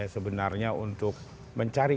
sebenarnya untuk mencari